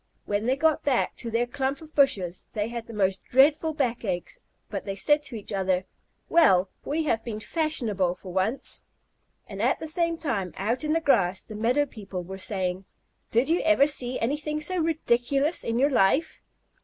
When they got back to their clump of bushes, they had the most dreadful backaches, but they said to each other, "Well, we have been fashionable for once." And, at the same time, out in the grass, the meadow people were saying, "Did you ever see anything so ridiculous in your life?"